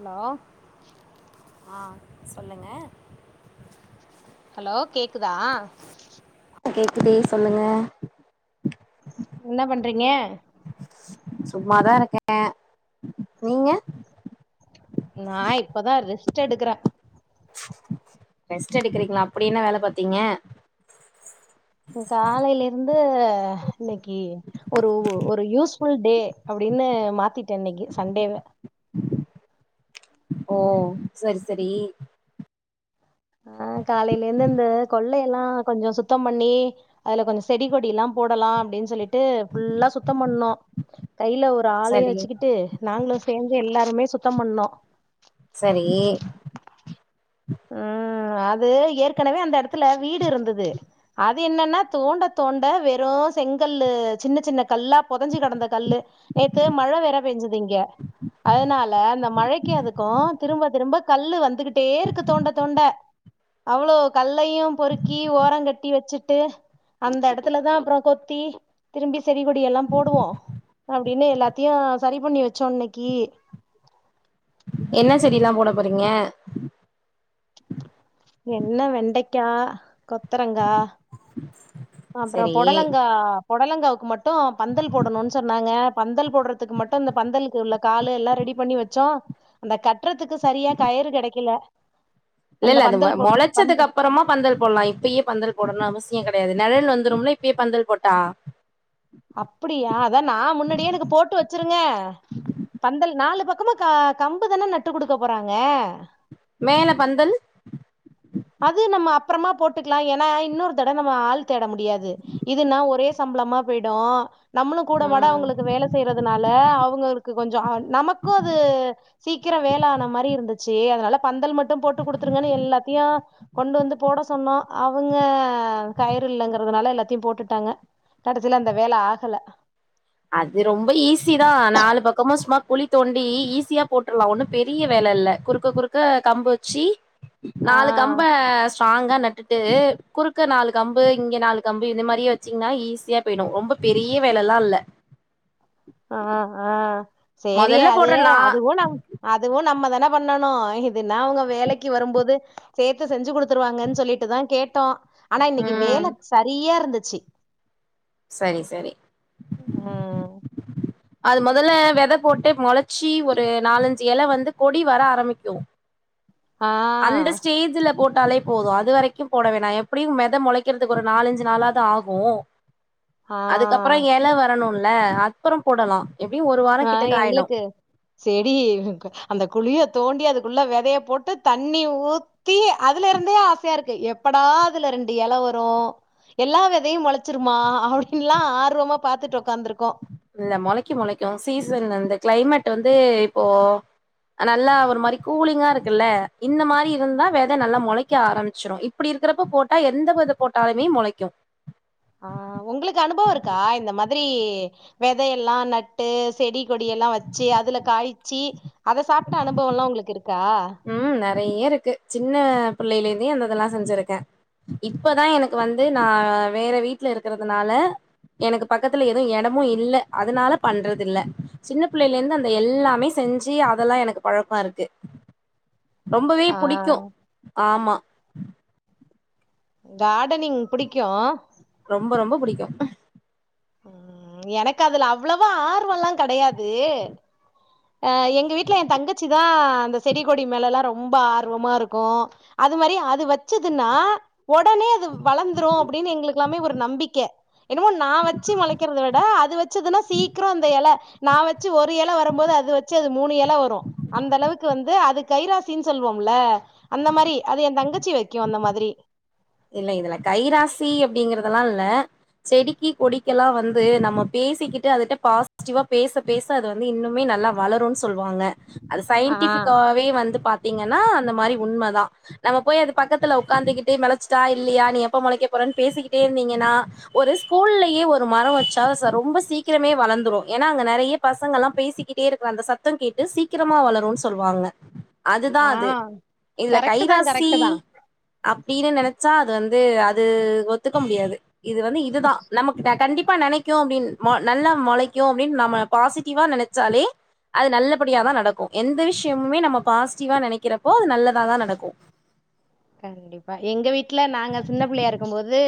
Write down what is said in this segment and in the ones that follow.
allow ஆ சொல்லுங்க hello கேக்குதா கேக்குது சொல்லுங்க இன்ன பண்றீங்க சும்மாதா இருக்கே நீங்க நா இப்பதா ரெஸ்ட் எடுக்கறே ரெஸ்ட் எடுக்கறீங்ளா அப்பிடி என்ன வேல பாத்தீங்க காலைலிர்ந்து இன்னைக்கி ஒரு ஒரு யூஸ் ஃபுல் டே அப்டினு மாத்திட்டே இன்னைக்கி சண்டேவ ஓ செரி செரி ஆ காலைலிர்ந்து இந்த கொல்லையெல்லா கொஞ்சோ சுத்தம் பண்ணி அதுல கொஞ்சோ செடி கொடில்லா போடலா அப்டின் சொல்லிட் டு ஃபுல்லா சுத்தம் பண்ணோ கைல ஒரு ஆளயு சரி வெச்சுக்கிட்டு நாங்ளு சேந்து எல்லாருமே சுத்தம் பண்ணோ சரி ம் அது ஏற்கனவே அந்த எடத்துல வீடுருந்தது அ து என்னன்னா தோண்ட தோண்ட வெறு செங்கல்லு சின்ன சின்ன கல்லா பொதஞ்சு கெடந்த கல்லு நேத்து மழ வேற பேஞ்சது இங்க அதனால அந்த மழைக்கு அதுக்கு திரும்ப திரும்ப கல்லு வந்துகிட்டே இர் க்கு தோண்ட தோண்ட அவ்ளோ கல்லையு பொருக்கி ஓரங்கட்டி வெச்சுட்டு அந்த எடத்துல தா அப்பறோ கொத்தி திரும்பி செடி கொடி எல்லா போடுவோ அப்டினு எல்லாத்தையு சரி பண்ணி வச்சோ இன்னைக்கி என்ன செடில்லா போட போறீங்க என்ன வெண்டைக்கா, கொத்தரங்கா அப்றோ சரி பொடலங்கா பொடலங்காவ்க்கு மட்டு பந்தல் போடணுன் சொன்னாங்க பந்தல் போட்றத்துக்கு மட்டு அந்த பந்தல்க் உள்ள காலு எல்லா ரெடி பண்ணி வச்சோ அந்த கட் கட்றதுக்கு சரியா கயிறு கெடைக்கல இல்லல்ல அது மொளச்சதுக்கப்பறமா பந்தல் போல்லா இப்பயே பந்தல் போடணுன் அவசியங் கெடயாது நெழல் வந்துரும்ல இப்பயே பந்தல் போட்டா அப்டியா அதா நா முன்னாடியே எனக்கு போட்டு வெச்சிருங்க பந்தல் நாலு பக்கமு க கம்புதான நட்டு குடுக்க போறாங்க மேல பந்தல் அது நம்ம அப்றமா போட்டுக்லா ஏனா இன்னொரு தடவ நம்ம ஆள் தேட முடியாது இதுன்னா ஒரே சம்பளமா போய்டு நம்மளு கூட மாட ம் அவுங்களுக்கு வேல செய்றதுனால அவுங்களுக்கு கொஞ்ச நமக்கு அது சீக்கிர வேல ஆன மாரி இருந்துச்சி அதனால பந்தல் மட் டு போட்டு குடுத்துருங்கன்னு எல்லாத்தையு கொண்டு வந்து போட சொன்னோ அவுங்க ஆ கயிறு இல்லங்கறதுனால எல்லாத்தையு போட்டுட்டாங்க கடசில அந்த வேல ஆகல அது ரொம்ப ஈஸி தா நாலு பக்கமு சும்மா குழி தோண்டி ஈஸியா போட்ருலா ஒண்ணு பெரிய வேல இல்ல குறு க்க குறுக்க கம்பு வெச்சி ஆ நாலு கம்ப ஸ்ட்ராங்கா நட்டுட்டு குறுக்க நாலு கம்பு இங்க நாலு கம்பு இந்த மாரியே வெச்சீங்கன்னா ஈஸியா போய்டு ரொம்ப பெரிய வேலல்லா இல்ல ஆ ஆ செரி மொதல்ல அது போடுற நா அதுவு நம் அதுவு நம்ம தான பண்ணணு இதுன்னா அவுங்க வேலைக்கு வரம்போது சேத்து செஞ்சு குடுத்துருவாங்கன் சொல்லிட்டுதா கேட்டோ ஆனா இன்னிக்கு ம் வேல சரியா இருந்துச்சி சரி சரி அ அது மொதல்ல வெத போட்டு மொளச்சி ஒரு நாலஞ்சு எலவந்து கொடி வர ஆரம்பிக்கு ஆ அந்த ஸ்டேஜ்லப் போட்டாலே போது அது வரைக்கு போட வேணா எப்டியு வெத மொளைக்றதுக்கு ஒரு நாலஞ்சு நாளாது ஆகு ஆ அதுக்கப்றோ எல வரணுல அப்பறம் போடலா எப்டியு ஒரு வாரோ ஆ கிட்டக்க ஆயிடு எங்களுக்கு செடி அந்த குழிய தோண்டி அதுக்குள்ள வெதய போட்டு தண்ணி ஊத் தி அதுல இருந்தே ஆசயா இருக்கு எப்படா அதுல ரெண்டு எல வரு எல்லா வெதையு மொளச்சிருமா அப்டின்லா ஆர்வமா பாத்துட்டு ஒக்காந்துருக்கோ இல்ல மொளைக்கு மொளைக்கு சீசன் இந்த கிளைமேட் வந்து இப்போ நல்லா ஒரு மாரி கூலிங்கா இருக்குல்ல இந்த மாரி இருந்தா வெத நல்லா மொளைக்க ஆரமிச்சிரு இப்டி இருக்கிறப்ப போட்டா எந்த வெத போட்டாலுமே மொளைக்கு ஆ உங்களுக்கு அனுபவ இருக்கா இந்த மாத்ரி வெதயெல்லா நட்டு செடி கொடியெல்லா வெச்சி அதுல காய்ச்சி அத சாப்ட்ட அனுபவலா உங்களுக்கு இருக்கா ம் நெறையருக்கு சின்ன பிள்ளையிலருந்தே அந்த இதெல்லா செஞ்சிருக்கே இப்பதா எனக்கு வந்து நா வேற வீட்ல இருக்றதுனால எனக்கு பக்கத்துல எது எடமு இல்ல அதனால பண்றது இல்ல சின்ன பிள்ளைல இருந்து அந்த எல்லாமே செஞ்சு அதெல்லா எனக்கு பழக்கோ இருக்கு ரொம்பவே ஆ புடிக்கு ஆமா கார்டனிங் புடிக்கு ரொம்ப ரொம்ப புடிக்கு ம் எனக்கு அதுல அவ்ளவா ஆர்வல்லா கெடையாது அ எங்க வீட்டுல எ தங்கச்சி தா அந்த செடி கொடி மேலலா ரொம்ப ஆர்வமா இருக்கோ அது மாரி அது வச்சதுன்னா ஒடனே அது வளந்துரு அப்டின்னு எங்களுக்குக்கெல்லாமே ஒரு நம்பிக்க என்னமோ நா வ ச்சி மொளைக்கிறத விட அது வச்சதுன்னா சீக்ரோ அந்த எல நா வச்சு ஒரு எல வரம்போது அது வச்சு அது மூணு எல வரு அந்த அளவுக்கு வந்து அது கைராசின் சொல்லுவோம்ல அந்த மாரி அது எ தங்கச்சி வைக்கு அந்த மாதிரி இல்ல இதுல கைராசி அப்டிங்கறதெல்லா இல்ல செடிக்கு கொடிக்கெல்லா வந்து நம்ம பேசிக்கிட்டு அதுட்ட பாசிட்டிவா பேச பேச அது வந்து இன்னுமே நல்லா வளருன் சொல்லுவாங்க அது ஆ சயின்டிஃபிக்காவே வந்து பாத் தீங்கன்னா அந்த மாரி உண்ம தா நம்ம போய் அது பக்கத்துல உக்காந்துக்கிட்டு மொள ஸ்டா இல்லியா நீ எப்ப மொளைக்க போறன் பேசிக்கிட்டே இருந்தீங்கன்னா ஒரு ஸ்கூல்லயே ஒரு மரோ வச்சா ச ரொம்ப சீக்கிரமே வளந்துரு ஏன்னா அங்க நறைய பசங்கலா பேசிக்கிட்டே இருக்ற அந்த சத்தங் கேட்டு சீக்கிரமா வளருன் சொல்லுவாங்க [inaudible] அதுதா அது இதுல கரெக்ட் தா கைராசி கரெக்ட் தா அப்டின்னு நனச்சா அது வந்து அது ஒத்துக்க முடியாது இது வந்து இதுதா நமக் கண்டிப்பா நனைக்கும் அப்டின் ம நல்லா மொளைக்கூ அப்டின்னு நம்ம பாசிட்டிவா நனச்சாலே அது நல்லபடியாதா நடக்கூ எந்த விஷியமுமே நம்ம பாசிட்டிவா நெனைக்கிறப்போ அது நல்லதாதா நடக்கூ கண்டிப்பா எங்க வீட்டுல நாங்க சின்ன பிள்ளையா இருக்கம் போது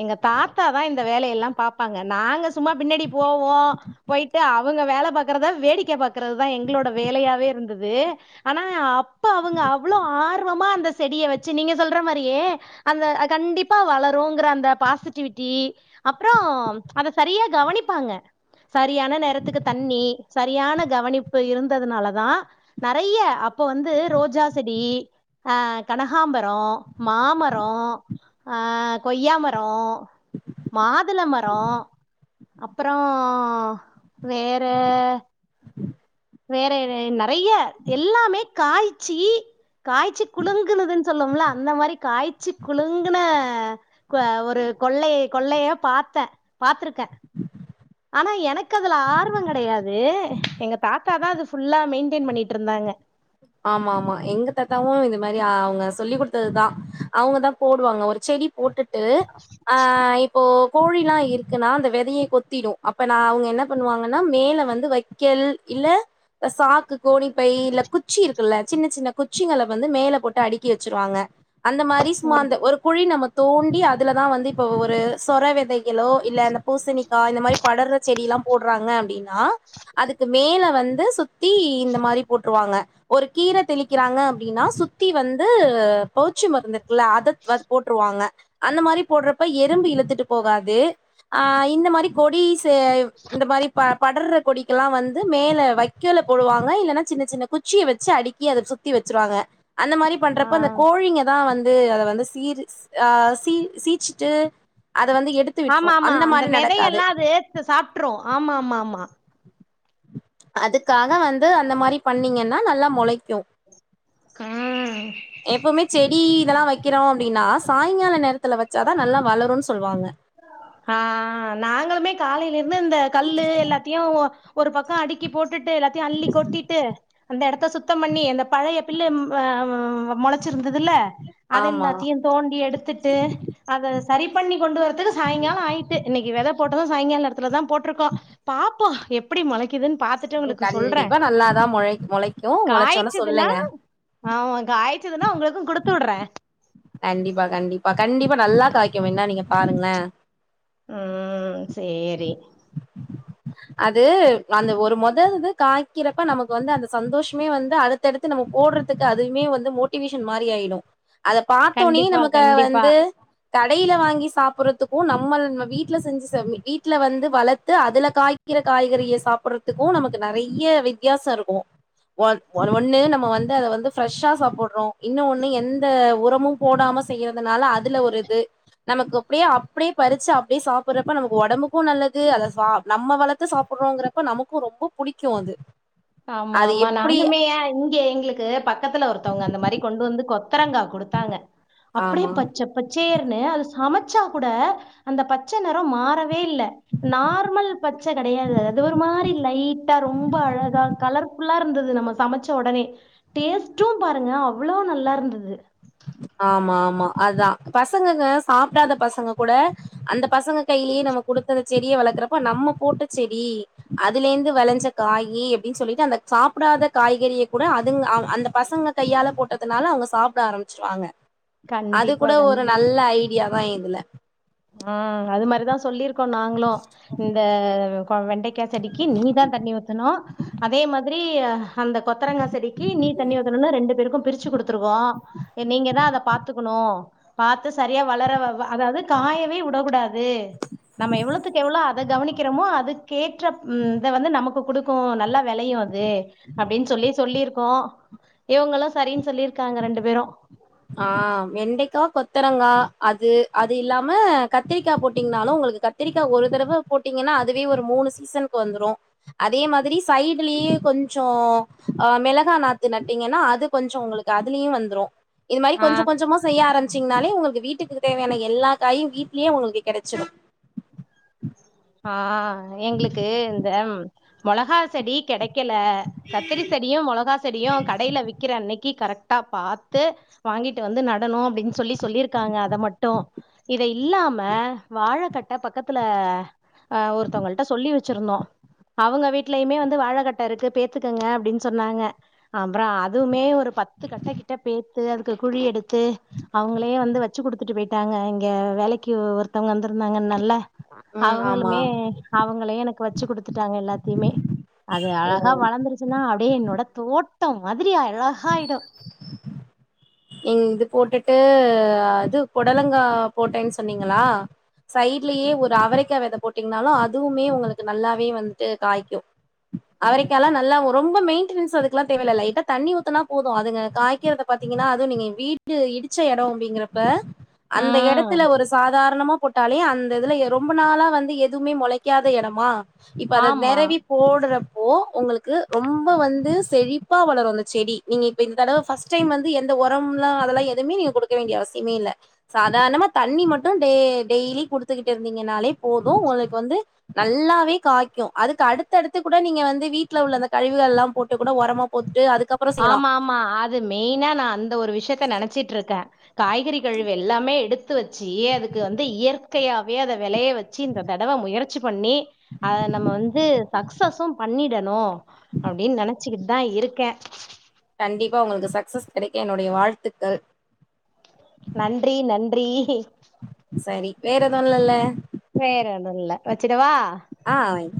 எங்க தாத்தாதா இந்த வேலையெல்லா பாப்பாங்க நாங்க சும்மா பின்னாடி போவோ போய்ட்டு அவங்க வேல பாக்கறத வேடிக்க பாக் குறது தா எங்களோட வேலையாவே இருந்துது ஆனா அப்ப அவங்க அவ்ளோ ஆர்வமா அந்த செடிய வச்சு நீங்க சொல்ற மாரியே அந்த அ கண்டிப்பா வளருங்ற அந்த பாசிட்டிவிட்டி அப்றோ அத சரியா கவனிப்பாங்க சரியான நேரத்துக்கு தண்ணி சரியான கவனிப்பு இருந்ததுனாலதா நறைய அப்ப வந்து ரோஜா செடி ஆ கனகாம்பரோ மாமரோ அ கொய்யாமரோ மாதுள மரோ அப்பறோ வேற [inaudible] வேற என நறைய எல்லாமே காய்ச்சி காய்ச்சி குலுங்குனது சொல்லோம்ல அந்த மாரி காய்ச்சு குலுங்குன க ஒரு கொள்ளை கொள்ளைய பாத்த பாத்துருக்க ஆனா எனக்கு அதுல ஆர்வங் கெடையாது எங்க தாத் தா தா அது ஃபுல்லா மெயின்டென் பண்ணிட்ருந்தாங்க ஆமா ஆமா எங்க தாத்தாவு இது மாரி அவங்க சொல்லி குடுத்தது தா அவங்க தா போடுவாங்க ஒரு செடி போட்டுட்டு ஆ இ ப்போ கோழிலா இருக்குனா அந்த வெதைய கொத்திடூ அப்போனா அவங்க என்ன பண்ணுவாங்கன்னா மேலே வந்து வெக்கல் இல்ல ஒ சாக்கு கோணி பை இல்ல குச் சி இருக்குல்ல சின்ன சின்ன குச்சிங்கள வந்து மேல போட்டு அடுக்கி வச்சிருவாங்க அந்த மாரி சும்மா அந்த ஒரு குழி நமக் தோண்டி அதுலதா வந்து இப்போ ஒரு சொர வெதைகளோ இல்ல இந்த பூசணிக்கா இந்த மாரி படர்ற செடி எல்லா போடுறாங்க அப்டின் னா அதுக்கு மேல வந்து சுத்தி இந்த மாரி போட்டுருவாங்க ஒரு கீர தெளிக்கிறாங்க அப்டின்னா சுத்தி வந்து போச்சி மருந்துருக்குல அதக் வது போட்டுருவாங்க அந்த மாரி போட்றப்ப எறும்பு இழுத்துட்டு போகாது அ இந்த மாரி கொடிஸ்சு இந்த மாரி ப படர்ற கொடி க்கெல்லா வந்து மேல வைக்கோல போடுவாங்க இல்லன்னா சின்ன சின்ன குச் குச்சிய வச்சு அடுக்கி அத சுத்தி வச்சுருவாங்க அந்த மாரி ஆ பண்றப்ப அந்த கோழிங்க தா வந்து அத வந்து சீரு அ சீ சீச்சிட்டு அத வந்து எடுத் ஆமா ஆமா அந்த வெதையெல்லா அது எடுத்து சாப்ட்டுரு ஆமா ஆமா ஆமா அதுக்காக வந்து அந்த மாரி பண்ணீங்கன்னா நல்லா மொளைக்கு ம் எப்போமே செடி இதெல்லா வைக்கிறோ அப்டின்னா சாயங்கால நேர த்துல வச்சாதா நல்லா வளருன் சொல்லுவாங்க ஆ நாங்களுமே காலைல இருந்து இந்த கல்லு எல்லாத் தியு ஒ ஒரு பக்கோ அடுக்கி போட்டுட்டு எல்லாத்தையு அள்ளி கொட்டிட்டு அந்த இடத்த சுத்தம் பண்ணி அந்த பழைய பிள்ளு அ மொளச்சிருந்ததுல அது ஆமா எல்லாத்தையு தோண்டி எடுத்துட்டு அத சரி பண்ணி கொண்டு வர ட்டுது சாய்ங்கால ஆயிட்டு இன்னைக்கி வெத போட்டது சாயங்கால நேரத்துல தா போட்ருக்கோ பா ப்போஎப்டி மொளைக்குதுன் பாத்துட் ம் கண்டிப்பா நல்லாதா மொளை மொளைக்கு மொளைச்சோனே காய்ச்சதுன்னா சொல்லுங்க ஆமா காய்ச்சுதுன்னா உங்களுக்கு குடுத்து உட்ற கண்டிப்பா கண்டிப்பா கண்டிப்பா நல்லா காய்க்கு வேன்னா நீங்க பாருங்ளே ம் சேரி அது அந்த ஒரு மொத இது காய்க்கிறப்ப நமக்கு வந்து அந்த சந்தோஷமே வந்து அடு அடுத்தடுத்து நம்ம போட்றதுக்கு அதுமே வந்து மோட்டிவேஷன் மாரி ஆயிடு அத பார்த்தோனே கண்டிப்பா நமக்க கண்டிப்பா வந்து கடைல வாங்கி சாப்பறதுக்கு நம்மள் நம்ம வீட்ல செஞ்சு வீட்ல வந்து வளத்து அதுல காய்க்கிற காய்கறிய சாப்பறதுக்கு நமக்கு நறைய வித்தியாச இருக்கு ஒன் ஒன ஒன்னு நம்ம வந்து அத வந்து ப்ரெஷ்ஷா சாப்புட்றோ இன்னு ஒன்னு எந்த உரமு போடாம செய்யறதுனால அதுல ஒரு இது நமக்கு அப்டியே அப்டியே பறிச்சு அப்டியே சாப்பறப்ப நமக்கு உடம்புக்கும் நல்ல து அத நம்ம வளத்து சாப்புறோங்கிறப்ப நமக்கு ரொம்ப புடிக்கு அது ஆமா அது ஆமா எப்டி நானுமேயா இங்க எங்களுக்கு பக்கத்துல ஒருத்தவுங்க அந்த மாரி கொண்டு வந்து கொத்தரங்கா கொடுத்தாங்க அப்டியே ஆமா பச்ச பச்சேர்ன்னு அது சமச்சா கூட அந்த பச்ச நெறோ மாறவே இல்ல நார்மல் பச்ச கெடையாது அது ஒரு மாரி லைட்டா ரொம்ப அழகா கலர் ஃபுல்லா இருந்தது நம்ம சமச்ச உடனே டேஸ்ட்டும் பாருங்க அவ்ளோ நல்லா இருந்தது ஆமா ஆமா அதா பசங்கங்க சாப்டாத பசங்க கூட அந்த பசங்க கையிலியே நம்ம குடுத்த அந்த செடிய வளர்க்குறப்ப நம்ம போட்ட செடி அதுலேந்து வெளஞ்ச காயி அப்டின் சொல்லிட்டு அந்த சாப்டாத காய்கறிய கூட அதுங்க அந்த பசங்க கையால போட்டதுனால அவுங்க சாப்ட ஆரம்பிச்சிருவாங்க அது கண்டிப்பா கூட ஒரு கண்டிப்பா நல்ல ஐ டியாதா இதுல ஆ அது மாரிதா சொல்லிருக்கோ நாங்ளு இந்த வெண்டைக்கா செடிக்கி நீ தா தண்ணி ஊத்தனு அதே மாதிரி அந்த கொத்தரங்கா செடிக்கி நீ தண்ணி ஊத்தணுன்னு ரெண்டு பேருக்கு பிரிச்சு குடுத்துருக்கோ போ நீங்க தா அத பாத்துக்குணு பாத்து சரியா வளர அதாவுது காயவே வுடக்கூடாது நம்ம எவ்ளோவுத்துக்கு எவ்ளோ அத கவனிக்கிறோமோ அதுக்கேற்ற ம் இத வந்து நமக்கு குடுக்கு நல்லா வெலையு அ து அப்டின் சொல்லி சொல்லிருக்கோ இவுங்களு சரின் சொல்லிருக்காங்க ரெண்டு பேரு ஆ வெண்டைக்கா கொத்தரங்கா அது அது இல்லாம கத்திரிக்கா போட்டீங்னாலு உங்களுக்கு க த்திரிக்கா ஒரு தடவ போட்டீங்கன்னா அதுவே ஒரு மூணு சீசனுக்வந்துரு அதே மாதிரி சைடுலியே கொஞ்சோ அ மிளகா நாத்து நட்டீங்கன்னா அது கொஞ்சோ உங்களுக் கு அதுலியு வந்துரு இது மாரி ஆஹ் கொஞ்ச கொஞ்சமா செய்ய ஆரம்பிச்சிங்னாலே உங்களுக்கு வீட்டுக்கு தேவையான எல்லா காயு வீட்லியே உங்களுக்கு கெடச்சிடு ஆ எங்களுக்கு இந்த மொளகா செடி கெடைக்கல கத்தரி செ டியு மொளகா செடியு கடையில விக்கிற அன்னைக்கி கரெக்ட்டா பாத்து வாங்கிட்டு வந்து நடனு அப்டின் சொல்லி சொல்லிருக்காங்க அத மட்டு இத இல்லாம வாழக்கட்ட பக்கத்துல அ ஒருத்தவங்கள்ட சொல்லி வெச்சிருந்தோ அவங்க வீட்லயுமே வந்து வாழகட்ட இருக்கு பேத்துக்குங்க அப்டின் சொன்னாங்க அப்பற அதுவுமே ஒரு பத்து கட்ட கிட்ட பேத்து அதுக்கு குழி எடுத்து அவுங்களே வந்து வெச்சு குடுத்துட்டு போயிட்டாங்க இங்க வேலைக்கு ஒருத்தவங்க வந்திருந்தாங்கன்னல்ல ம் ஆமா அவங்களுமே அவங்களே எனக்கு வெச்சு குடுத்துட்டாங்க எல்லாத்தியுமே அது அழகா ஓ வளந்திரு ச்சின்னா அப்டியே என்னோட தோட்ட மாதிரி அழகாயிடு நீங் இது போட்டுட்டு இது பொடலங்கா போட்டன் சொன்னீங்களா சைட்லயே ஒரு அவரைக்கா வெத போட்டீங்ன்னாலு அதுவுமே உங்களுக்கு நல்லாவே வந்ட்டு காய்க்கு அவரைக்கால்லா நல்லா ரொம்ப மெயின்டெனன்ஸ் அதுக்குலா தேவயில்ல லைட்டா தண்ணி ஊத்தனா போது அதுங்க காய்கிறத பாத் தீங்கனா அதுவு நீங்க வீடு இடிச்ச எடோ அப்டிங்கறப்ப அந்த ம் எடத்துல ஒரு சாதாரணமா போட்டாலே அந்த இதுல ரொம்ப நாளா வந்து எதுமே மொளைக்காத எடமா இப்ப அத ஆமா நெறவி போடுறப்போ உங்களுக்கு ரொம்போ வந்து செழிப்பா வளரு அந்த செடி நீங்க இப்ப இந் தடவ ஃபஸ்ட்டைம் வந் து எந்த ஒரம்லா அதல்லா எதுமே நீங்க குடுக்க வேண்டிய அவசியமே இல்ல சாதாரணமா தண்ணி மட்டு டே டெய்லி குடுத்துக்கிட்டு இருந்தீங்கனாலே போது உங்ளுக் வந்து நல்லாவே காய்க்கு அதுக்கு அடுத்தடுத்து கூட நீங்க வந்து வீட்ல உள்ள அந்த கழிவுகல்லா போட்டு கூட ஒரமா போட்டு அதுக்கப் ஆமா ஆமா அது மெயினா நா அந்த ஒரு விஷியத்த நெனைச்சிட்ருக்க காய்கறி கழிவு எல்லாமே எடுத் து வெச்சு அதுக்கு வந்து இயற்கையாவே அத வெலய வெச்சு இந்த தடவ முயற்சி பண்ணி அத நம்ம வந்து சக்சசு பண்ணிடணு அப்டின் நெனச்சிக்கிட்தா இருக்க கண்டிப்பா உங்களுக்கு சக்சஸ் கெடைக்க என்னுடைய வாழ்த்துக்கள் நன்றி நன்றி சரி வேற எது இல்லல வேற ஒன்னுல்ல வச்சுட்டவா ஆ வைங்